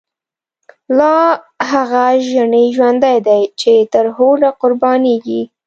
لاهغه ژڼی ژوندی دی، چی ترهوډه قربانیږی